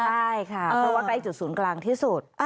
ใช่ค่ะเพราะว่าใกล้จุดศูนย์กลางที่สุด